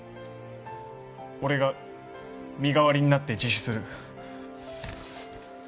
俺が身代わりになって自首する。